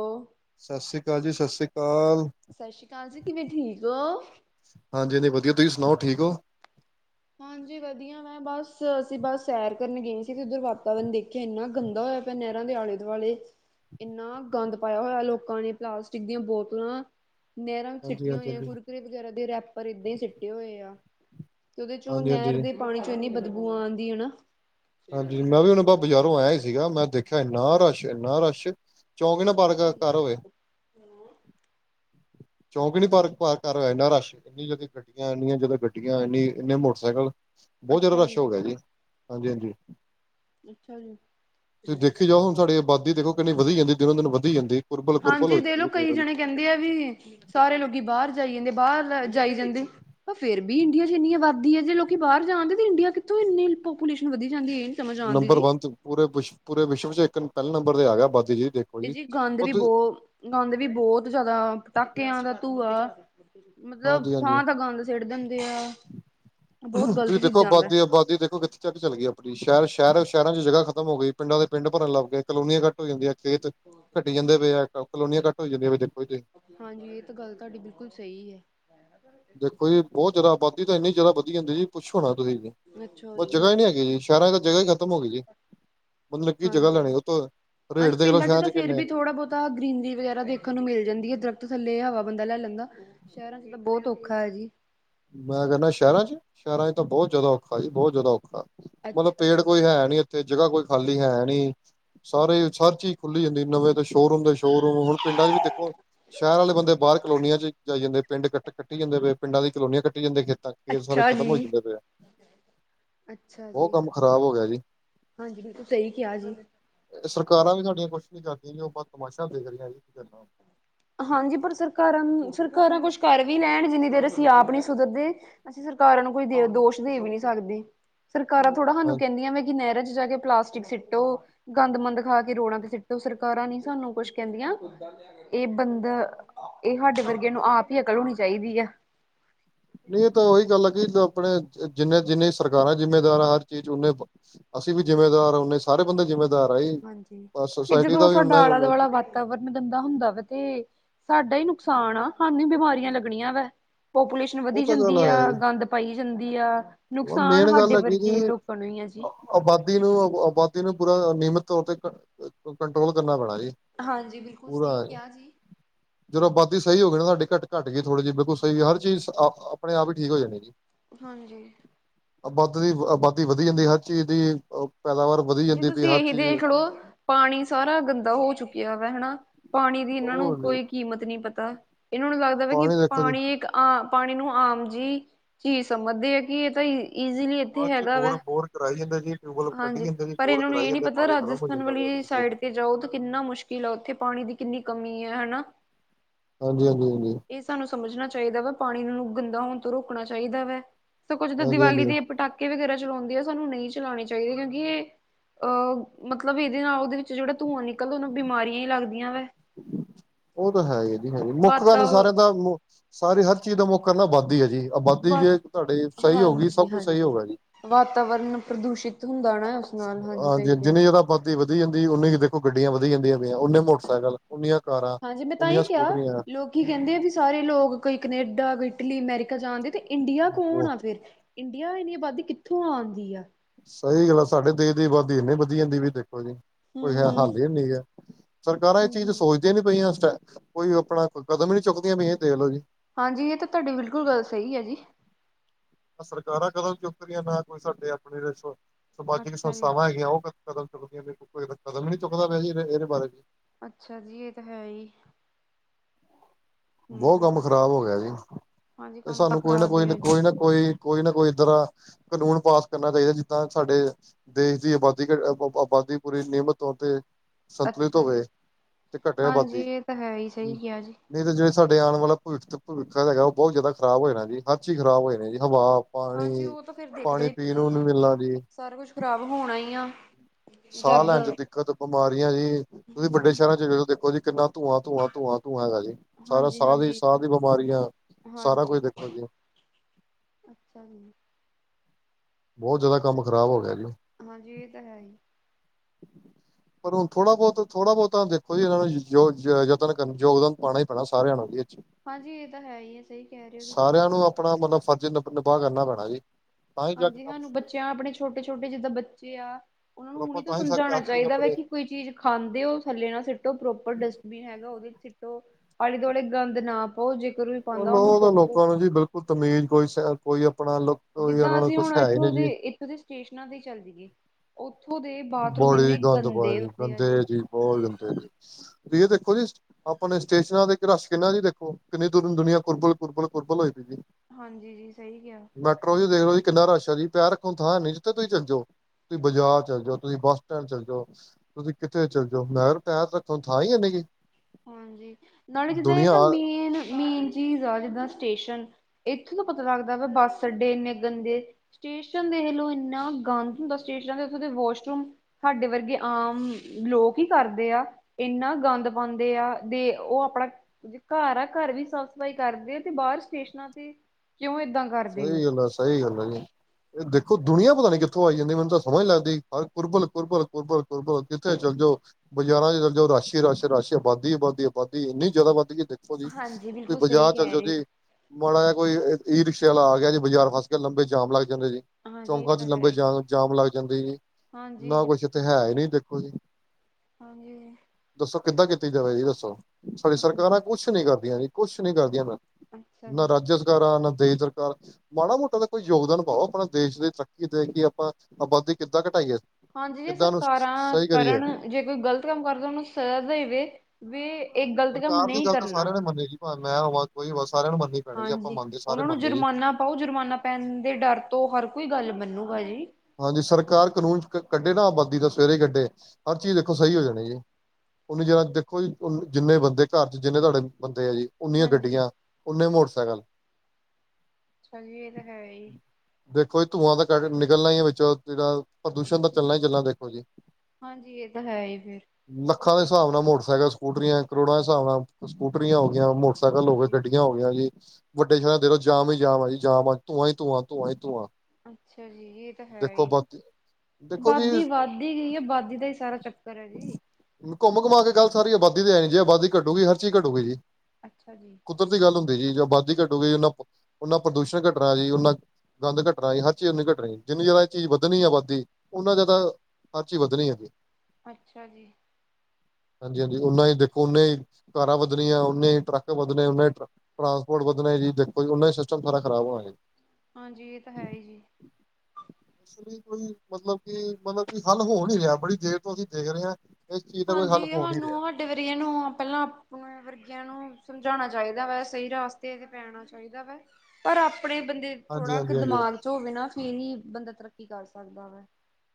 ਓ ਸਸ਼੍ਰੀ ਅਕਾਲ ਜੀ ਸਸ਼੍ਰੀ ਅਕਾਲ ਸਸ੍ਰੀ ਅਕਾਲ ਜੀ ਕਿਵੇਂ ਠੀਕ ਹੋ ਹਾਂਜੀ- ਹਾਂਜੀ ਵਧੀਆ ਤੁਸੀਂ ਸੁਣਾਓ ਠੀਕ ਓ ਹਾਂਜੀ ਵਧੀਆ ਮੈਂ ਬਸ ਅਸੀਂ ਬਸ ਸੈਰ ਕਰਨ ਗਏ ਸੀ, ਉੱਧਰ ਵਾਤਾਵਰਨ ਦੇਖਿਆ ਕਿ ਇੰਨਾ ਗੰਦਾ ਹੋਇਆ ਪਿਆ ਨਹਿਰਾਂ ਦੇ ਆਲੇ ਦੁਆਲੇ ਐਨਾ ਗੰਦ ਪਾਇਆ ਹੋਇਆ ਲੋਕਾਂ ਨੇ ਪਲਾਸਟਿਕ ਦੀਆਂ ਬੋਤਲਾਂ ਨਹਿਰਾਂ ਹਾਂਜੀ ਸਿੱਟੀਆਂ ਹਾਂਜੀ ਹੋਈਆਂ, ਹਾਂਜੀ ਕੁਰਕਰੇ ਵਗੈਰਾ ਦੇ ਰੈਪਰ ਐਦੀ ਹੀ ਸਿੱਟੇ ਹੋਏ ਆ ਤੇ ਉਹਦੇ 'ਚੋਂ ਹਾਂਜੀ ਹਾਂਜੀ ਨਹਿਰ ਜੀ, ਦੇ ਪਾਣੀ 'ਚ ਇੰਨੀ ਬਦਬੂ ਆਉਂਦੀ ਨਾ ਹਾਂਜੀ, ਮੈਂ ਵੀ ਹੁਣ ਬ ਬਾਜ਼ਾਰੋਂ ਆਇਆ ਹੀ ਸੀਗਾ, ਮੈਂ ਦੇਖਿਆ ਏਨਾ ਰਸ਼, ਏਨਾ ਰਸ਼। ਚੌਂਕ ਹੀ ਨਾ ਪਾਰ ਕ ਕਰ ਅੱਛਾ ਹੋਵੇ। ਚੌਂਕ ਨੀ ਪਾਰ -ਪਾਰ ਕਰ ਹੋਇਆ, ਏਨਾ ਰਸ਼, ਏਨੀਆਂ ਜਾਦਾ ਗੱਡੀਆਂ, ਇੰਨੀਆਂ ਜਿਆਦਾ ਗੱਡੀਆਂ, ਏਨੇ ਮੋਟਰਸਾਈਕਲ ਬਹੁਤ ਜਿਆਦਾ ਰਸ਼ ਹੋ ਗਿਆ ਜੀ, ਹਾਂਜੀ- ਹਾਂਜੀ। ਅੱਛਾ ਜੀ! ਤੁਸੀਂ ਦੇਖੀ ਜਾਓ ਹੁਣ ਸਾਡੀੇ ਆਬਾਦੀ 'ਦੇਖੋ ਕਿੰਨੀ ਵਧੀ ਜਾਂਦੀ, ਦਿਨੋ ਦਿਨ ਵਧੀ ਜਾਂਦੀ ਕੁਰਬਲ ਕੁਰਬਲ ਹਾਂਜੀ, ਹੋ ਦੇਖਲੋ ਜਾਂਦੀ ਕਈ ਦੇਖੋ ਜੀ ਜਾਣੇ ਕਹਿੰਦੇ ਆ ਵੀ ਸਾਰੇ ਲੋਕ ਬਾਹਰ ਜਾਈ ਜਾਂਦੇ, ਬਾਹਰ ਜਾਈ ਜਾਂਦੇ, ਪਰ ਫਿਰ ਵੀ ਇੰਡੀਆ ਚ ਏਨੀ ਅਬਾ ਦੀ ਏ, ਜੇ ਲੋਕੀ ਬਾਹਰ ਜਾਣਦੇ ਤਾਂ ਇੰਡੀਆ ਕਿੱਥੋਂ ਇੰਨੀ ਪਾਪੂਲੇਸ਼ਨ ਵਧੀ ਜਾਂਦੀ ਏ। ਨੰਬਰ ਵਨ ਪੂਰੇ ਵਿਸ਼ ਪੂਰੇ ਵਿਸ਼ਵ ਚ ਇੱਕ ਪਹਿਲੇ ਨੰਬਰ ਤੇ ਆ ਗਿਆ ਬਾਦੀ ਜੀ ਦੇਖ ਤੇ ਜੀ ਗੰਦ ਵੀ ਬਹੁ, ਗੰਦ ਵੀ ਬਹੁਤ ਜ਼ਿਆਦਾ ਪਟਾਕਿਆਂ ਦਾ ਧੂੰਆ। ਮਤਲਬ ਹਾਂਜੀ ਹਾਂਜੀ ਥਾਂ -ਥਾਂ ਤਾਂ ਗੰਦ ਸਿਟ ਦਿੰਦੇ ਆ। ਬਹੁਤ ਗ਼ਲਤ ਤੁਹੀ ਦੇਖੋ ਚੀਜ਼ਾਂ ਵਾ ਆਬਾਦੀ, ਆਬਾਦੀ ਦੇਖੋ ਕਿੱਥੇ ਤਕ ਚੱਲ ਗਈ ਆਪਣੀ, ਸ਼ਹਿਰ, ਸ਼ਹਿਰ, ਸ਼ਹਿਰਾਂ ਚ ਜਗ੍ਹਾ ਖਤਮ ਹੋ ਗਈ, ਪਿੰਡਾਂ ਦੇ ਪਿੰਡ ਭਰ ਲੱਗ ਗਏ, ਕਲੋਨੀਆਂ ਕੱਟ ਘੱਟ ਹੋ ਜਾਂਦੀ ਹੈ ਖੇਤ ਘੱਟੀ ਜਾਂਦੇ ਪਏ ਆ, ਕਲੋਨੀਆਂ ਕਟ ਹੋਈ ਜਾਂਦੀਆਂ ਪਈਆਂ ਓਹੀ ਤੇ। ਹਾਂਜੀ ਇਹ ਤਾਂ ਗੱਲ ਤੁਹਾਡੀ ਬਿਲਕੁਲ ਸਹੀ ਐ। ਦੇਖੋ ਜੀ ਬਹੁਤ ਜ਼ਿਆਦਾ ਆਬਾਦੀ ਤਾਂ ਇੰਨੀ ਜ਼ਿਆਦਾ ਵਧੀ ਜਾਂਦੀ ਜੀ ਪੁੱਛੋ ਨਾ ਤੁਸੀਂ ਵੀ ਅੱਛਾ ਬਤ ਜੀ ਜਗ੍ਹਾ ਹਾਂ ਹੀ ਨਹੀਂ ਹੈਗੀ ਜੀ, ਸ਼ਹਿਰਾਂ ਚ ਜਗਾ ਹੀ ਖਤਮ ਹੋ ਗਈ ਜੀ। ਮਤਲਬ ਕੀ ਜਗ੍ਹਾ ਹਾਂਜੀ ਲੈਣੀ ਜੀ। ਉਤੋਂ ਰੇਟ ਹਾਂਜੀ ਦੇਖ ਲੋ ਪਿੰਡਾਂ ਸ਼ਹਿਰ ਚ ਕਿੰਨੇ। ਤਾਂ ਗ੍ਰਰੀਨਰੀ ਵਗੈਰਾ ਦੇਖਣ ਨੂੰ ਮਿਲ ਜਾਂਦੀ ਏ, ਦਰਖ਼ਤ ਥੱਲੇ ਹਵਾ ਬੰਦਾ ਲੈ ਲੈਂਦਾ। ਸ਼ਹਿਰਾਂ ਚ ਤਾਂ ਬਹੁਤ ਔਖਾ ਹੈ ਜੀ। ਮੈਂ ਕਹਿੰਨਾ ਸ਼ਹਿਰਾਂ 'ਚ ਸ਼ਹਿਰਾਂ ਚ ਤਾਂ ਬਹੁਤ ਜ਼ਿਆਦਾ ਔਖਾ ਜੀ, ਬਹੁਤ ਜ਼ਿਆਦਾ ਔਖਾ। ਮਤਲਬ ਅੱਛਾ ਪੇੜ ਜੀ ਕੋਈ ਹੈ ਨੀ ਇੱਥੇ, ਜਗ੍ਹਾ ਕੋਈ ਖਾਲੀ ਹੈ ਨੀ। ਸਾਰੇ ਹਰ ਚੀਜ਼ ਖੁੱਲੀ ਜਾਂਦੀ ਨਵੇਂ ਤੇ ਸ਼ੋਅਰੂਮ ਦੇ ਸ਼ੋਰੂਮ, ਹੁਣ ਪਿੰਡਾਂ ਚ ਵੀ ਦੇਖੋ ਸ਼ਹਿਰ ਵਾਲੇ ਬੰਦੇ ਬਾਹਰ ਕਲੋਨੀਆਂ ਚ ਜਾਈ ਜਾਂਦੇ, ਪਿੰਡ ਕੱ ਕੱਟੀ ਜਾਂਦੇ ਪਿੰਡਾਂ ਦੀ ਕਲੋਨੀਆਂ ਕੱਟੀ ਜਾਂਦੇ ਖੇਤਾਂ ਚ। ਖੇਤ ਸਾਰੇ ਅੱਛਾ ਖਤਮ ਹੋ ਜੀ ਜਾਂਦੇ ਪਏ ਆ। ਅੱਛਾ ਜੀ! ਬਹੁਤ ਕੰਮ ਖ਼ਰਾਬ ਹੋ ਗਿਆ ਜੀ ਹਾਂਜੀ, ਬਿਲਕੁ ਸਹੀ ਕਿਹਾ ਜੀ। ਸਰਕਾਰਾਂ ਵੀ ਸਾਡੀਆਂ ਕੁਛ ਨੀ ਕਰਦੀਆਂ ਜੀ, ਓ ਬਸ ਤਮਾਸ਼ਾ ਦੇਖ ਰਹੀਆਂ ਕਰਨਾ। ਹਾਂਜੀ, ਪਰ ਸਰਕਾਰਾਂ ਨੂੰ ਸਰਕਾਰਾਂ ਕੁਛ ਘਰ ਵੀ ਲੈਣ ਜਿੰਨੀ ਦੇਰ ਅਸੀਂ ਆਪ ਨੀ ਸੁਧਰਦੇ ਅਸੀਂ ਸਰਕਾਰਾਂ ਨੂੰ ਕੋਈ ਦੇ ਦੋਸ਼ ਦੇ ਵੀ ਨੀ ਸਕਦੇ, ਸਰਕਾਰਾਂ ਥੋੜਾ ਸਾਨੂੰ ਹਾਂ ਕਹਿੰਦੀਆਂ ਵੀ ਕਿ ਨਹਿਰਾਂ ਚ ਜਾ ਕੇ ਪਲਾਸਟਿਕ ਸਿੱਟੋ। ਗੰਦ -ਮੰੰਦ ਖਾ ਕੇ ਰੋੜਾਂ ਤੇ ਸਿੱਟੋ, ਸਰਕਾਰਾਂ ਨੀ ਸਾਨੂੰ ਕੁਛ ਕਹਿੰਦੀਆਂ ਇਹ ਬੰਦਾ ਇਹ ਹਾਡੇ ਵਰਗੇ ਨੂੰ ਆਪ ਹੀ ਅਕਲ ਹੋਣੀ ਚਾਹੀਦੀ ਐ। ਨਹੀਂ ਇਹ ਤਾਂ ਉਹੀ ਗੱਲ ਆ ਜੀ ਕਿ ਆਪਣੇ ਜਿੰਨੇ- ਜਿੰਨੇ ਸਰਕਾਰਾਂ ਜਿੰਮੇਦਾਰਾਂ ਹਰ ਚੀਜ਼ ਚ ਉਨੇ- ਅਸੀਂ ਵੀ ਜਿਮੇਦਾਰ ਓਨੇ ਸਾਰੇ ਬੰਦੇ ਜਿਮੇ ਹਾਂਜੀ, ਤੇ ਜਦੋਂ ਸਾਡਾ ਹੀ ਆਲਾ ਹੋਣਾ ਦੁਆਲਾ ਵਾਤਾਵਰਨ ਗੰਦਾ ਹੁੰਦਾ ਵਾ ਤੇ ਸਾਡਾ ਹੀ ਨੁਕਸਾਨ ਆ, ਹਾਨੂੰ ਹੀ ਬਿਮਾਰੀਆਂ ਲੱਗਣੀਆਂ ਵੈ। ਪਪੂਲੇਸ਼ਨ ਉਹ ਵਧੀ ਤਾਂ ਗੱਲ ਜਾਂਦੀ ਹੈ ਆ, ਗੰਦ ਪਾਈ ਜਾਂਦੀ ਆ, ਜੀ। ਨੁਕਸਾਨ ਮੇਨ ਗੱਲ ਹਾਡੇ ਹੈਗੀ ਜੀ ਵਰਗੇ ਲੋਕਾਂ ਨੂੰ ਹੀ ਆ ਜੀ। ਆਬਾਦੀ ਨੂੰ, ਆਬਾਦੀ ਨੂੰ ਪੂਰਾ ਨਿਯਮਤ ਤੌਰ ਤੇ ਕੰਟਰੋਲ ਕਰਨਾ ਪੈਣਾ ਜੀ। ਹਾਂਜੀ, ਬਿਲਕੁਲ ਪੂਰਾ ਸਹੀ ਕਿਹਾ ਜੀ। ਜਦੋਂ ਆਬਾਦੀ ਸਹੀ ਹੋ ਗਈ ਨਾ ਸਾਡੀੇ, ਘੱ ਘਟ ਗਈ ਥੋੜ੍ਹੀ ਜਿਹੀ, ਬਿਲਕੁਲ ਸਹੀ ਹ ਆਪਣੇ ਆਪ ਹੀ ਠੀਕ ਹੋ ਜਾਣੀ ਜੀ। ਹਾਂਜੀ। ਆਬਾਦ ਦੀ ਆਬਾਦੀ ਵਧੀ ਜਾਂਦੀ, ਹਰ ਚੀਜ਼ ਦੀ ਪੈਦਾਵਾਰ ਵਧੀ ਜੀ ਜਾਂਦੀ ਵੀ ਤੁਸੀਂ ਹਰ ਇਹੀ ਚੀਜ਼ ਦੇਖ ਲੌ ਪਾਣੀ ਸਾਰਾ ਗੰਦਾ ਹੋ ਚੁੱਕਿਆ ਵਾ ਹਨਾ, ਪਾਣੀ ਦੀ ਇਹਨਾਂ ਨੂੰ ਉਹ ਕੋਈ ਕੀਮਤ ਨੀ ਪਤਾ, ਏਨਾਂ ਨੂੰ ਲੱਗਦਾ ਵਾ ਕਿ ਦੇਖੋ ਜੀ ਪਾਣੀ ਇੱਕ ਆ ਪਾਣੀ ਨੂੰ ਆਮ ਜੀ ਚੀਜ਼ ਸਮਝਦੇ ਆ, ਕਿ ਏਤਾਂ ਇਜ਼ੀਲੀ ਬਸ ਜੀ ਬੋਰ-ਬੋਰ ਕਰਵਾਈ ਜਾਂਦੇ ਜੀ, ਟਿਊਵੈਲ ਕੱਡੀ ਹਾਂਜੀ ਜਾਂਦੇ ਜੀ। ਪਰ ਬੋਰ ਏਨਾਂ ਨੂੰ ਕਰਾਈ ਏ ਨੀ ਜਾਂਦੇ ਪਤਾ ਪਾਣੀ ਖਤਮ ਹੋ ਰਾਜਸਥਾਨ ਜਾਂਦਾ ਵਾਲੀ ਸਾਈਡ ਹਾਂਜੀ ਤੇ ਜਾਓ ਕਿੰਨਾ ਮੁਸ਼ਕਿਲ ਐ ਉੱਥੇ, ਪਾਣੀ ਦੀ ਕਿੰਨੀ ਕਮੀ ਐ ਹਨਾ। ਹਾਂਜੀ, ਹਾਂਜੀ, ਹਾਂਜੀ। ਏਸਾਨੂੰ ਸਮਝਣਾ ਚਾਹੀਦਾ ਵਾ, ਪਾਣੀ ਨੂੰ ਗੰਦਾ ਹੋਣ ਤੋਂ ਰੋਕਣਾ ਚਾਹੀਦਾ ਵੈ। ਤੇ ਕੁਝ ਤੇ ਹਾਂਜੀ ਹਾਂਜੀ ਦੀਵਾਲੀ ਤੇ ਪਟਾਕੇ ਵਗੈਰਾ ਚਲਾਉਂਦੇ ਆ, ਓ ਸਾਨੂੰ ਨਈ ਚਲਾਣੇ ਚਾਈਦੇ ਕਿਓਕੇ ਏ 'ਅਹ ਮਤਲਬ ਏਦੇ ਨਾਲ ਓਹਦੇ ਵਿੱਚ ਜੇੜਾ ਧੂੰਆਂ ਨਿਕਲਦਾ ਓਹਨੂੰ ਬਿਮਾਰੀਆਂ ਇ ਲੱਗਦੀਆਂ ਵੈ। ਓ ਤਾਂ ਐ ਜੀ ਹੈ, ਜੀ ਮੁੱਖ ਤਾਨੂੰ ਵਾਤਾਵਰਨ ਸਾਰਿਆਂ ਦਾ ਸਾਰੀ ਹਰ ਚੀਜ਼ ਦਾ ਮੁੱਖ ਕਾਰਨ ਆਬਾਦੀ ਐ ਜੀ। ਆਬਾਦੀ ਵਾ ਜੇ ਤੁਹਾਡੇ ਸਈ ਹੋਗੀ ਹਾਂਜੀ ਸਬ ਕੁਝ ਸਈ ਹਾਂਜੀ ਹੋਊਗਾ ਜੀ। ਵਾਤਾਵਰਨ ਪ੍ਰਦੂਸ਼ਿਤ ਹੁੰਦਾ ਨਾ ਓ ਹਾਂਜੀ-ਹਾਂਜੀ ਜਿੰਨੀ ਜਿਆਦਾ ਅਬਾਦੀ ਵਧੀ ਜਾਂਦੀ, ਓਨੀ ਦੇਖੋ ਗੱਡੀਆਂ ਵਧੀ ਜਾਂਦੀਆਂ। ਉਨੇ ਮੋਟਰਸਾਈਕਲ, ਉਨੀਆਂ ਕਾਰਾਂ, ਉਨੀਆਂ ਕਾਰਾ, ਸਕੂਟਰੀਆਂ। ਕੀ ਕੈਦੇ ਆ ਵੀ ਸਾਰੇ ਲੋਕ ਕੋਈ ਕਨੇਡਾ, ਕੋਈ ਇਟਲੀ, ਅਮੈਰੀਕਾ ਜਾਣ ਦਏ ਤੇ ਇੰਡੀਆ ਕੌਣ ਉਹ ਆ ਫੇਰ? ਇੰਡੀਆ ਚ ਇੰਨੀ ਆਬਾਦੀ ਕਿੱਥੋਂ ਆਦੀਂ ਆਂ? ਸਹੀ ਗੱਲ ਆ ਸਾਡੇ ਦੇਸ਼ ਦੀ ਆਬਾਦੀ ਏਨੀ ਵਧੀ ਜਾਂਦੀ ਵੀ, ਦੇਖੋ ਜੀ, ਕੋਈ ਹਮ ਹੱਲ ਈ ਹਮ ਹੈਨੀ ਗਾ। ਸਰਕਾਰਾਂ ਏ ਚੀਜ਼ ਹਮ ਸੋਚਦੀਆਂ ਨੀ ਪਈਆਂ, ਕੋਈ ਆਪਣਾ ਕਦਮ ਈ ਨੀ ਚੁੱਕਦੀਆਂ ਪਈਆਂ ਦੇਖ ਲੋਜੀ। ਹਾਂਜੀ ਏ ਤਾਂ ਤੁਆਡੀ ਬਿਲਕੁਲ ਗੱਲ ਸਹੀ ਐ ਜੀ। ਸਰਕਾਰਾਂ ਕਦਮ ਚੁੱਕ ਰਹੀਆਂ, ਨਾ ਕੋਈ ਸਾਡੇ ਆਪਣੇ ਜਿਹ ਸਮਾਜਿਕ ਅੱਛਾ ਜੀ ਸੰਸਥਾਵਾਂ ਹੈਗੀਆਂ ਓ ਕ ਕਦਮ ਚੁੱਕਦੀਆਂ, ਕਦਮ ਨੀ ਚੁੱਕਦਾ ਪਿਆ ਜੀ ਏਹਦੇ ਬਾਰੇ। ਅੱਛਾ ਜੀ, ਏ ਤਾ ਹੈ ਈ। ਬੋਤ ਹਮ ਕੰਮ ਖ਼ਰਾਬ ਹੋ ਗਿਆ ਜੀ, ਹਾਂਜੀ ਏ ਕੰਮ ਤਾਂ ਸਾਨੂੰ ਕੋਈ ਨਾ ਖ਼ਰਾਬ ਕੋਈ, ਹੀ ਹੈ ਕੋਈ ਨਾ ਕੋਈ ਕੋਈ ਨਾ ਕੋਈ ਏਧਰ ਕਾਨੂੰਨ ਪਾਸ ਕਰਨਾ ਚਾਹੀਦਾ, ਜਿੱਦਾਂ ਸਾਡੇ ਦੇਸ਼ ਦੀ ਆਬਾਦੀ, ਆਬਾਦੀ ਪੂਰੀ ਨਿਯਮਤ ਤੌਰ ਤੇ ਸੰਤੁਲਿਤ ਅੱਛਾ ਹੋਵੇ ਜੀ ਤੇ ਘਟੇ ਹਾਂਜੀ ਆਬਾਦੀ, ਇਹ ਤਾਂ ਹੈ ਹੀ ਸਹੀ ਹੂੰ ਕਿਹਾ ਜੀ ਨਈ ਤਾਂ ਜੇੜੇ ਸਾਡੇ ਆਣ ਵਾਲਾ ਭਵਿੱਖਤ ਭਵਿੱਖ ਹੈਗਾ ਓ ਬੋਤ ਜ਼ਿਆਦਾ ਖਰਾਬ ਹੋ ਜਾਣਾ ਜੀ, ਹਰ ਚੀਜ਼ ਖਰਾਬ ਹੋ ਜਾਣੀ ਜੀ ਹਵਾ ਹਾਂਜੀ ਉਹ ਤਾਂ ਫਿਰ ਦੇਖਦਾ ਪਾਣੀ-ਪਾਣੀ ਹੀ ਪੀਣ ਪਿਆ ਨੂੰ ਵਾ ਨੀ ਮਿਲਣਾ ਜੀ। ਸਾਰਾ ਕੁਛ ਖ਼ਰਾਬ ਹੋਣਾ ਈ ਆ। ਸਾਹ ਜਦ ਲੈਣ ਚ ਦਿੱਕਤ, ਬਿਮਾਰੀਆਂ ਜੀ, ਤੁਸੀਂ ਵੱਡੇ ਸੈ਼ਰਾਂ ਚ ਦੇਖੋ ਜੀ ਕਿੰਨਾ ਧੂੰਆਂ, ਧੂੰਆਂ, ਧੂੰਆਂ, ਧੂੰਆਂ ਹੈਗਾ ਜੀ, ਸਾਰਾ ਹਾਂਜੀ ਸਾਹ ਦੀ, ਹਾਂਜੀ ਸਾਹ ਦੀ ਬਿਮਾਰੀਆਂ, ਸਾਰਾ ਹਾਂਜੀ ਕੁਝ ਦੇਖੋ ਜੀ। ਅੱਛਾ ਜੀ। ਬੋਤ ਜਿਆਦਾ ਕੰਮ ਖ਼ਰਾਬ ਹੋ ਗਿਆ ਜੀ। ਹਾਂਜੀ ਏ ਤਾਂ ਹੈ ਈ। [unintelligible] ਪਰ ਹੁਣ ਥੋੜਾ ਬੋਤ, ਥੋੜਾ ਬੋਤ ਤਾਂ ਦੇਖੋ ਜੀ, ਏਨਾਂ ਨੂੰ ਜੋ ਯਤਨ ਕਰਨ ਯੋਗਦਾਨ ਪਾਣਾ ਈ ਪੈਣਾ ਸਾਰੇਆਂ ਨੂੰ ਵੀ ਏ ਚ। ਹਾਂਜੀ, ਏ ਤਾਂ ਹੈ ਈ ਐ, ਸਹੀ ਕੈ ਰਹੇ ਓ ਤੁਸੀਂ। ਨੂੰ ਆਪਣਾ ਮਤਲਬ ਫਰਜ਼ ਨਿਬ ਨਿਭਾ ਕਰਨਾ ਪੈਣਾ ਜੀ। ਤਾਂ ਹੀ ਜਾ ਕੇ ਹਾਂਜੀ ਕੰਮ ਸਾਨੂੰ ਬੱਚਿਆਂ ਆਪਣੇ ਛੋਟੇ-ਛੋਟੇ ਜਿੱਦਾਂ ਬੱਚੇ ਆ, ਉਨ੍ਹਾ ਪਰ ਨੂੰ ਆਪਾਂ ਹੁਣੇ ਤਾਂ ਹੀ ਹਰ ਸਮਝਾਂਣਾ ਚੀਜ਼ ਚਾਈਦਾ ਵਾ ਆਪਣੇ ਕਿ ਕੋਈ ਚੀਜ਼ ਖਾਂਦੇ ਓ, ਥੱਲੇ ਨਾ ਸਿੱਟੋ, ਪ੍ਰੋਪਰ ਡਸਟ ਬੀਨ ਹੈਗਾ ਓਦੇ ਚ ਸਿੱਟੋ, ਆਲੇ-ਦੁਆਲੇ ਗੰਦ ਨਾ ਪਾਓ ਜੇ ਓ ਤਾਂ ਲੋਕਾਂ ਨੂੰ ਜੀ ਬਿਲਕੁਲ ਤਮੀਜ਼ ਕੋਈ-ਕੋਈ ਆਪਣਾ ਕੋਈ ਜਿੱਦਾਂ ਉਹਨਾਂ ਨੂੰ ਅਸੀਂ ਕੁਛ ਹੁਣ ਹੈ ਹੀ ਇੱਥੋਂ ਨਹੀਂ ਦੇ ਜੀ ਇੱਥੋਂ ਦੇ ਇੱਕ ਤੇ ਸਟੇਸ਼ਨਾਂ ਤੇ ਚੱਲ ਜੀਏ। ਉੱਥੋਂ ਦੇ ਬਾਥਰੂਮ ਏਨੇ ਗੰਦੇ ਹੁੰਦੇ ਆ ਜੀ। ਬੋਤ ਗੰਦੇ ਹੁੰਦੇ, ਬੀ ਏਦੇਖੋ ਜੀ। ਆਪਣੇ ਸਟੇਸ਼ਨਾਂ ਦੇ ਇਕ ਰਸ਼ ਕਿੰਨਾ ਜੀ ਦੇਖੋ, ਕਿੰਨੀ ਦੂਰੋਂ ਦੀ ਦੁਨੀਆਂ ਕੁਰਬਲ, ਕੁਰਬਲ, ਕੁਰਬਲ ਹੋਈ ਪਈ ਦੀ। ਹਾਂਜੀ ਜੀ, ਸਹੀ ਕਿਹਾ। ਮੈਟਰੋ ਚ ਦੇਖ ਲੋ ਜੀ ਕਿੰਨਾ ਰਸ਼ ਆ ਜੀ, ਪੈਰ ਰੱਖਨ ਨੂੰ ਥਾਂ ਹੈਨੀ, ਜਿੱਥੇ ਤੁਸੀ ਚਲੇ ਜਾਓ, ਤੁਸੀਂ ਬਾਜ਼ਾਰ ਚੱਲ ਜ਼ੋ। ਤੁਸੀਂ ਬੱਸ ਸਟੈਂਡ ਚੱਲ ਜੋ, ਤੁਸੀਂ ਕਿੱਥੇ ਚੱਲ ਜੋ, ਮੈਂ ਪੈਰ ਰੱਖਣ ਨੂੰ ਥਾਂ ਹੈਨੀਗੀ। ਹਾਂਜੀ, ਨਾਲੇ ਜਿੱਦਾਂ ਇਹ ਤਾਂ ਮੇਨ-ਮੇਨ ਚੀਜ਼ ਆ ਜਿੱਦਾਂ ਸਟੇਸ਼ਨ, ਇੱਥੋਂ ਤੋਂ ਪਤਾ ਲੱਗਦਾ ਵਾ ਬੱਸ ਅੱਡੇ ਇੰਨੇ ਗੰਦੇ। ਸਟੇਸ਼ਨ ਦੇਖਲੋ ਇੰਨਾ ਗੰਦ ਹੁੰਦਾ ਸਟੇਸ਼ਨਾਂ ਦੇ ਉੱਥੋਂ ਦੇ ਵਾਸ਼ਰੂਮ ਸਾਡੇ ਵਰਗੇ ਆਮ ਲੋਕ ਈ ਕਰਦੇ ਆ, ਇੰਨਾ ਗੰਦ ਬਦੇ ਆ ਦੇ ਉਹ ਆਪਣਾ ਜੇ ਘਰ ਆ, ਘਰ ਵੀ ਸਾਫ਼- ਸਫ਼ਾਈ ਕਰਦੇ ਆ ਤੇ ਬਾਹਰ ਸਟੇਸ਼ਨਾਂ ਤੇ ਕਿਉਂ ਏਦਾਂ ਕਰਦੇ ਸਹੀ ਹੋ ਗੱਲ ਸਹੀ ਗੱਲ ਐ ਜੀ, ਇਹ ਦੇਖੋ ਦੁਨੀਆਂ ਪਤਾ ਨੀ ਕਿੱਥੋਂ ਆਈ ਜਾਂਦੀ ਮੈਨੂੰ ਤਾਂ ਸਮਝ ਲਗਦੀ ਹਰ ਕੁਰਬਲ, ਕੁਰਬਲ ਕੁਰਬਲ- ਕੁਰਰਬਲ ਕਿਥੇ ਚਲ ਜੋ ਬਾਜ਼ਾਰਾਂ ਚੱਲ ਜੋ, ਰਸ਼- ਰਸ਼- ਰਸ਼, ਆਬਦੀ -ਆਬਾਦੀ, ਆਬਦੀ ਇੰਨੀ ਜ਼ਿਆਦਾ ਆਬਾਦੀ ਦੇਖ ਹਾਂਜੀ ਜ ਬਿਲਕੁਲ ਸਹੀ ਬਾਜ਼ਾਰ ਚੱਲ ਕਹਿ ਜੋ ਰਹੇ ਜੀ ਹੋ ਮਾੜਾ ਜ ਕੋਈ ਈ ਰਿਕਸ਼ੇ ਵਾਲਾ ਆ ਗਿਆ ਜੀ ਬਾਜ਼ਾਰ ਫਸ ਗਿਆ, ਲੰਬੇ ਜਾਮ ਲੱਗ ਜਾਂਦੇ ਜੀ। ਹਾਂਜੀ ਇਹ ਚੌਂਕਾਂ ਚ ਤਾਂ ਹੈ ਲੰਬੇ ਹੀ ਜਾਮ, ਜਾਮ ਲੱਗ ਜਾਂਦੇ ਜੀ, ਹਾਂਜੀ ਨਾ ਜੀ ਕੁਛ ਇੱਥੇ ਹੈ ਨੀ ਦੇਖੋ ਜੀ। ਹਾਂਜੀ ਦੱਸੋ ਕਿੱਦਾਂ ਕੀਤੀ ਜਾਵੇ ਜੀ ਦੱਸੋ, ਸਾਡੀ ਸਰਕਾਰਾਂ ਹਾਂਜੀ ਕੁਛ ਨੀ ਕਰਦੀਆਂ ਜੀ, ਕੁਛ ਨੀ ਕਰਦੀਆਂ ਮ ਅੱਛਾ ਨਾ ਜੀ ਰਾਜ ਸਰਕਾਰ ਆ, ਨਾ ਦ ਸਰ ਮਾੜਾ- ਮੋਟਾ ਤਾਂ ਕੋਈ ਯੋਗਦਾਨ ਪਾਓ, ਆਪਣਾ ਦੇਸ਼ ਦੀ ਤਰੱਕੀ ਦੇ ਕਿ ਆਪਾਂ ਆਬਾਦੀ ਕਿੱਦਾਂ ਘਟਾਈਏ ਹਾਂਜੀ ਜੇ ਕਿੱਦਾਂ ਨੂੰ ਸਰਕਾਰਾਂ ਸਹੀ ਕਰੀਏ ਕਰਨ, ਜੇ ਕੋਈ ਗ਼ਲਤ ਕੰਮ ਕਰਦਾ ਉਹਨੂੰ ਸਜਾ ਦੇਵੇ। ਵੀ ਇਹ ਗ਼ਲਤ ਕੰਮ ਨਹੀਂ ਕਰਨਾ। ਮੈ ਹੋਵਾ, ਕੋਈ ਹੋਵਾ ਸਾਰਿਆਂ ਨੂੰ ਮੰਨੀ ਹਾਂਜੀ, ਉਹਨਾਂ ਨੂੰ ਜੁਰਮਾਨਾ ਪਾਓ, ਜੁਰਮਾਨਾ ਪੈਣ ਦੇ ਡਰ ਤੋਂ ਹਰ ਕੋਈ ਗੱਲ ਮੰਨੂਗਾ ਜੀ। ਹਾਂਜੀ, ਸਰਕਾਰ ਕਾਨੂੰਨ ਚ ਕੱਢੇ ਨਾ ਆਬਾਦੀ ਦਾ, ਸਵੇਰੇ ਈ ਕੱਢੇ ਹਰ ਚੀਜ਼ ਦੇਖੋ ਸਹੀ ਹੋ ਜਾਣੀ ਜੀ। ਉਹਨੀੇ ਜ ਦੇਖੋ ਜੀ ਜਿੰਨੇ ਬੰਦੇ ਘਰ ਚ, ਜਿੰਨੇ ਤੁਹਾਡੇ ਬੰਦੇ ਆ ਜੀ ਉਨੀਆਂ ਹਾਂਜੀ ਗੱਡੀਆਂ ਓਨੇ ਮੋਟਰਸਾਈਕਲ ਸਈ ਇਹ ਤਾਂ ਹੈ ਈ ਦੇਖੋ ਜੀ ਧੂੰਆਂ ਤਾਂ ਕੱ ਨਿਕਲਣਾ ਈ ਐ ਵਿਚੋ ਜਿਹੜਾ ਪ੍ਰਦੂਸ਼ਣ ਤਾਂ ਚੱਲਣਾ ਈ ਚੱਲਣਾ ਦੇਖੋ ਜੀ। ਹਾਂਜੀ ਇਹ ਤਾਂ ਹੈ ਹੀ ਫੇਰ ਲੱਖਾਂ ਦੇ ਹਿਸਾਬ ਨਾਲ ਮੋਟਰਸਾਈਕਲ, ਸਕੂਟਰੀਆਂ ਕਰੋੜਾਂ ਦੇ ਹਿਸਾਬ ਨਾਲ ਸਕੂਟਰੀਆਂ ਹੋ ਗਈ ਮੋਟਰਸਾਈਕਲ ਹੋ ਗਏ ਹਾਂਜੀ ਗੱਡੀ ਹੋ ਗਿਆ ਜੀ, ਵੱਡੇ ਸ਼ਹਿਰਾਂ ਦੇੋ ਜਾਮ ਹੀਈ ਜਾਮ ਆ ਜੀ ਜਾਮ ਆ ਧੂੰ ਹੀ ਧੂੰਆਂ, ਧੂੰਆਆਂਈ ਧੂੰਆਂ ਅੱਛਾ ਜੀ ਇਹ ਤਾਂ ਹੈ ਦੇਖੋ ਹੀ ਆਬਾਦੀ ਦੇਖੋ ਜੀ ਆਬਾਦੀ ਵਾਧਦੀ ਗਈ ਏ ਆਬਾਦੀ ਦਾ ਹੀ ਸਾਰਾ ਚੱ ਕਰ ਏ ਜੀ। ਘੁੰਮ- ਘੁਮਾ ਕੇ ਗੱਲ ਸਾਰੀ ਆਬਾਦੀ ਤੇ ਹੈ ਨ ਜੇ ਆਬਦੀ ਘਟੂਗੀ ਹਰ ਚੀਜ਼ ਘੱਟੂਗੀ ਜੀ। ਅੱਛਾ ਜੀ। ਕਦਰਤੀ ਦੀ ਗੱਲ ਹੁੰਦੀ ਜੀ ਜਾਂ ਆਬਾਦੀ ਘਟੂਗੀ ਉਹਨਾ, ਉਹਨਾ ਪ੍ਰਦੂਸ਼ਣ ਘਟਣਾ ਜੀ ਉਹਨਾ ਗੰਦ ਘਟਣਾ, ਹਰ ਚੀਜ਼ ਘਟਣੀ, ਜਿੰਨੀ ਜ਼ਿਆਦਾ ਇਹ ਚੀਜ਼ ਵਧਣੀ ਆ ਅਵੱਦੀ ਉਓਨਾ ਜ਼ਿਆਦਾ ਸਚੀ ਵਧਣੀ ਐ ਫਿਰ ਅੱਛਾ ਜੀ ਹਾਂਜੀ ਹਾਂਜੀ ਉਹਨਾ ਹੀ ਦੇਖੋ ਉਨੇ ਈ ਕਾਰਾਂ ਵੱਧਣੀਆਂ ਉਨੇ ਈ ਟਰੱਕ ਵਧਣੇ ਉਨਾ ਈ ਟਰਾਂਸਪੋਰਟ ਵਧਣਾ ਜੀ, ਦੇਖੋ ਜੀ ਉਹਨਾਂ ਹੀ ਸਿਸਟਮ ਸਾਰਾ ਖਰਾਬ ਹੋਣਾ ਜੇ। ਹਾਂਜੀ ਇਹ ਤਾਂ ਹੈ ਹੀ ਜੀ। ਇਸ ਲਈ ਕੋਈ ਮਤਲਬ ਕੇ ਮਤਲਬ ਕੇ ਹੱਲ ਹੋ ਨੀ ਰਿਹਾ, ਬੜੀ ਦੇਰ ਤੋਂ ਅਸੀਂ ਦੇਖ ਰਹੇ ਆ। ਇਸ ਚੀਜ਼ ਦਾ ਕੋਈ ਹੱਲ ਹੋ ਨੀ ਰਿਆ। ਈ ਵਾਰੀ ਏਨੂੰ ਪੈਲਾਂ ਆਪਣੇ ਵਰਗੀਆਂ ਨੂੰ ਸਮਝਾਣਾ ਚਾਈਦਾ ਵਾ, ਸਹੀ ਰਸਤੇ ਤੇ ਪੈਣਾ ਚਾਈਦਾ ਵਾ, ਪਰ ਆਪਣੇ ਬੰਦੇ ਹਾਂਜੀ ਥੋੜਾ ਕੁ ਹਾਂਜੀ ਹਾਂਜੀ ਦਿਮਾਗ ਚ ਹੋਵੇ ਨਾ ਫੇਰ ਈ, ਬੰਦਾ ਤਰੱਕੀ ਕਰ ਸਕਦਾ ਵਾ।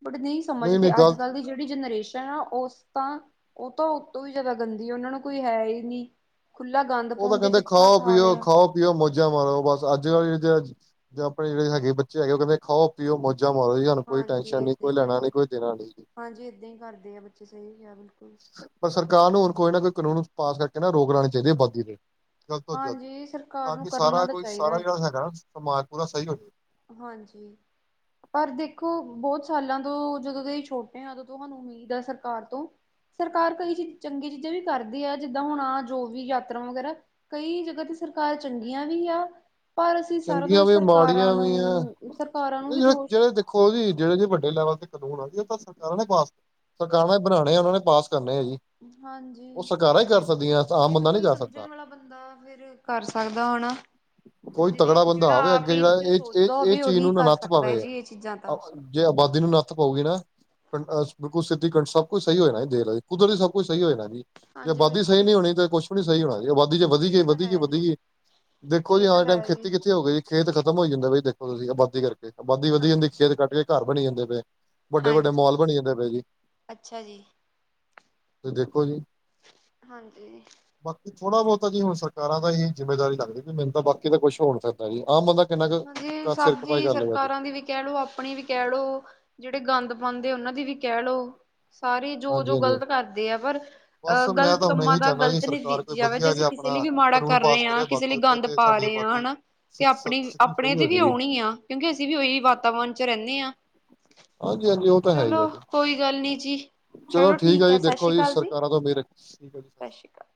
ਬਟ ਨਈ ਨਹੀਂ ਸਮਝਦੇ ਨਹੀਂ ਗਲਤ ਅੱਜ-ਕੱਲ੍ਹ ਦੀ ਜੇੜੀ ਜਨਰੇਸ਼ਨ ਆ ਓ। ਤਾਂ ਓ ਤਾਂ ਓਤੋਂ ਵੀ ਜ਼ਿਆਦਾ ਗੰਦੀ ਐ, ਓਨਾਂ ਨੂੰ ਕੋਈ ਹੈ ਈ ਨੀ। ਖੁੱਲਾ ਗੰਦ ਪਾਓਦੇ ਜਿੱਥਾ ਖਾ ਲਿਆ। ਓ ਮੋਜਾਂ ਮਾਰੋ ਬਸ, ਅੱਜ-ਕੱਲ ਜਾਂ ਆਪਣੇ ਜੇੜੇ ਹੈਗੇ ਬੱਚੇ ਹੈਗੇ, ਓ ਕੈਂਦੇ ਖਾਓ-ਪੀਓ ਮੌੋਜਾ ਮਾਰੋ ਕੋਈ ਹਾਂਜੀ ਟੈਨਸ਼ਨ ਨੀ ਏਦਾਂ ਕੋਈ ਈ ਐ ਲੈਣਾ ਨੀ ਜੀ, ਕੋਈ ਦੇਣਾ ਨੀ। ਹਾਂਜੀ ਏਦਾਂ ਈ ਕਰਦੇ ਆ ਬੱਚੇ ਸਈ ਆ ਬਿਲਕੁਲ। ਪਰ ਸਰਕਾਰ ਨੂੰ ਹੁਣ ਕੋਈ ਨਾ ਕੋਈ ਕਾਨੂੰਨ ਪਾਸ ਕਰਕੇ ਨਾ, ਰੋਕ ਲੈਣੇ ਚਾਈਦੀ ਐ ਬਾਦੀ ਦੇ। ਜਲਦ ਤੋਂ ਜਲਦ ਹਾਂਜੀ ਸਰਕਾਰ ਤਾਂ ਨੂੰ ਕਿ ਕਰਨਾ ਸਾਰਾ ਤਾਂ ਕੋਈ ਸਾਰਾ ਚਾਹੀਦਾ ਜੇੜਾ ਹੈਗਾ, ਸਮਾਜ ਪੂਰਾ ਸਈ ਹੋਵੇ। ਹਾਂਜੀ। [unintelligible] ਪਰ ਦੇਖੋ ਬੋਤ ਸਾਲਾਂ ਤੋਂ ਜਦੋਂ ਦੇ ਅਸੀ ਛੋਟੇ ਆ, ਉਦੋਂ ਤੋਂ ਹਾਨੂੰ ਉਮੀਦ ਆ ਸਰਕਾਰ ਤੋਂ ਸਰਕਾਰ ਕਈ ਚੀਜ਼ ਚੰਗੀ ਚੀਜ਼ਾਂ ਵੀ ਕਰਦੀ ਐ, ਜਿੱਦਾਂ ਹੁਣ ਆ ਜੋ ਵੀ ਯਾਤਰਾ ਵਗੈਰਾ ਕਈ ਜਗ੍ਹਾ ਤੇ ਸਰਕਾਰਾਂ ਚੰਗੀਆਂ ਵੀ ਆ, ਪਰ ਅਸੀਂ ਸਾਰਾ ਚੰਗੀਆਂ ਦੋਸ਼ ਵੀ ਸਰਕਾਰ ਮਾੜੀਆਂ ਵੀ ਆ ਨੂੰ ਸਰਕਾਰਾਂ ਨੂੰ ਵੀ ਜਿਹੜੇ ਦੋਸ਼ ਜਿਹੜੇ ਦੇਖੋ ਜੀ ਜੇੜੇ ਜੀਵੱਡੇ ਲੈਵਲ ਤੇ ਕਾਨੂੰਨ ਆ ਜੀ, ਏ ਤਾਂ ਸਰਕਾਰਾਂ ਨੇ ਪਾਸ ਸਰਕਾਰਾਂ ਬਣਾਣੇ ਆ, ਓਨਾਂ ਨੇ ਪਾਸ ਕਰਨੇ ਆ ਜੀ। ਹਾਂਜੀ, ਉਹ ਸਰਕਾਰਾਂ ਹੀ ਕਰ ਸਕਦੀਆਂ ਆਮ ਏ ਤਾਂ ਬੰਦਾ ਨਹੀਂ ਕੋਈ ਕਰ ਸਮਝਣ ਸਕਦਾ। ਵਾਲਾ ਬੰਦਾ ਐ। ਫੇਰ ਕਰ ਸਕਦਾ ਹਨਾ। ਕੋਈ ਜੀਦੀ ਤਗੜਾ ਬੰਦਾ ਜੇੜਾ ਆਵੇ ਆਪ ਅੱਗੇ ਏ ਜਿਹੜਾ ਚੀਜ਼ਾਂ ਇਹ ਇਹ ਸੋਚਦਾ ਇਹ ਹੋਵੇ, ਚੀਜ਼ ਓਹੀ ਨੂੰ ਨਾ ਕਰ ਨੱਥ ਸਕਦਾ ਐ ਪਾਵੇ। ਜੀ ਏ ਚੀਜ਼ਾਂ ਤਾਂ ਜੇ ਆਬਾਦੀ ਨੂੰ ਨੱਥ ਪਉਗੀ ਨਾ। ਬਿਲਕੁਲ ਸਿੱਧੀ ਸਭ ਕੁਛ ਸਈ ਹੋ ਜਾਣਾ ਜੀ, ਦੇਖਲੋ ਜੀ ਕੁਦਰਤ ਸਭ ਕੁਛ ਸਈ ਹੋ ਜਾਣਾ ਜੀ। ਜੇ ਹਾਂਜੀ ਆਬਾਦੀ ਸਈ ਬਿਲਕੁਲ ਨੀ ਹੋਣੀ ਤਾਂ ਕੁਛ ਵੀ ਨੀ ਸਈ ਹੋਣਾ, ਜੇ ਆਬਾਦੀ ਜੇ ਵਧੀ ਹਾਂਜੀ ਗਈ, ਇਹ ਤਾਂ ਵਧੀ ਗਈ, ਹੈ ਵਧੀ ਜੀ ਗਈ। ਦੇਖੋ ਜੀ, ਇਹ ਤਾਂ ਹਰ ਟੈਮ ਹੈ ਜੀ ਖੇਤੀ ਇੱਥੇ ਹੋਏ ਜੀ ਖੇਤ ਖਤਮ ਹੋਈ ਜਾਂਦੇ ਬਈ ਦੇਖੋ, ਤੁਸੀਂ ਆਬਾਦੀ ਕਰਕੇ, ਆਬਾਦੀ ਵਧੀ ਹਾਂ ਜਾਂਦੀ ਖੇਤ ਕੱਟ ਕੇ ਘਰ ਬਣੀ ਜਾਂਦੇ ਪਏ। ਵੱਡੇ-ਵੱਡੇ ਹਾਂਜੀ ਮਾਲ ਬਣੀ ਜਾਂਦੇ ਪਏ ਜੀ, ਅੱਛਾ ਜੀ ਤੇ ਦੇਖੋ ਜੀ। ਹਾਂਜੀ। ਬਾਕੀ ਥੋੜਾ ਬੋਤਾ ਜੀ ਹੁਣ ਸਰਕਾਰਾਂ ਦਾ ਏਹੀ ਜਿੰਮੇਦਾਰੀ ਲੱਗਦੀ, ਵੀ ਮੈਨੂੰ ਤਾਂ ਬਾਕੀ ਤਾਂ ਕੁਛ ਹੋ ਨੀ ਸਕਕਦਾ ਜੀ, ਆਮ ਬੰਦਾ ਕਿੰਨਾ ਕੁ ਹਾਂਜੀ, ਕ ਸਿਰ ਸਭ ਖਪਾਈ ਦੀ ਕਰ ਲਊਗਾ ਜੀ ਸਰਕਾਰਾਂ ਦੀ ਵੀ ਕੈ ਲੋ ਆਪਣੀ ਕੈ ਲੋ, ਜੇੜੇ ਗੰਦ ਪਾਉਂਦੇ ਓਨਾਂ ਦੀ ਵੀ ਕੈ ਲੋ ਸਾਰੀ ਹਾਂਜੀ ਜੋ-ਜੋ ਹਾਂਜੀ ਗ਼ਲਤ ਕਰਦੇ ਆ, ਪਰ ਬਸ ਮੈਂ ਗ਼ਲਤ ਤਾਂ ਹੁਣ ਕੰਮਾਂ ਇਹੀ ਦਾ ਚਾਹੁੰਦਾ ਜੀ ਗ਼ਲਤ ਨੀ ਵੇ ਸਰਕਾਰ ਕੋਈ ਜੇ ਵਧੀਆ ਅਸੀਂ ਜਿਹਾ ਕਿਸੇ ਆਪਣਾ ਲਈ ਵੀ ਮਾੜਾ ਕਾਨੂੰਨ ਕਰ ਪਾਸ ਰਹੇ ਆ, ਕਰੇ ਕਿਸੇ ਆਬਾਦੀ ਲਈ ਉੱਤੇ ਗੰਦ ਤੇ ਪਾ ਸਾਡੀ ਰਹੇ ਆ, ਆਬਾਦੀ ਹਨਾ ਤੇ ਸ- ਸ- ਆਪਣੀ ਸਥਿਤੀ ਆਪਣੇ ਸਹੀ ਤੇ ਹੋ ਵੀ ਜਾਏਗੀ ਆਉਣੀ ਆ, ਕਿਉਂਕਿ ਅਸੀਂ ਵੀ ਓਹ ਵਾਤਾਵਰਨ ਚ ਰੈਣੇ ਆ। ਹਾਂਜੀ-ਹਾਂਜੀ ਓ ਤਾਂ ਹੈ ਈ ਐ ਜੀ। ਕੋਈ ਗੱਲ ਨੀ ਜੀ। ਚਲੋ ਠੀਕ ਆ ਹੈ ਜੀ, ਸਤਿ ਦੇਖੋ ਸ਼੍ਰੀ ਜੀ ਅਕਾਲ ਸਰਕਾਰਾਂ ਤੋਂ ਅਮੀਰ ਐ ਠੀਕ ਜੀ। ਸਤਿ ਸ਼੍ਰੀ ਅਕਾਲ